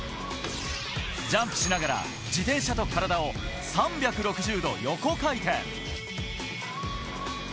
ジャンプしながら自転車と体を３６０度横回転。